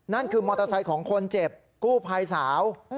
นั่นคือมอเตอร์ไซค์ของคนเจ็บกู้ภัยสาว